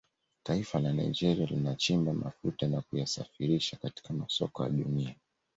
Taifa la Nigeria linachimba mafuta na kuyasafirisha katika masoko ya Dunia